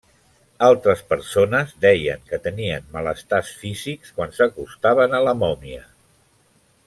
Altres persones deien que tenien malestars físics quan s'acostaven a la mòmia.